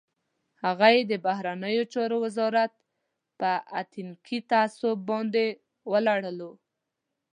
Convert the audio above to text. هغه یې د بهرنیو چارو وزارت په اتنیکي تعصب باندې ولړلو.